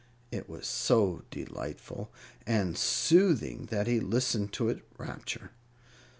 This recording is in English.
It was so delightful and soothing that he listened to it rapture.